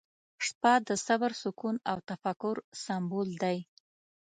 • شپه د صبر، سکون، او تفکر سمبول دی.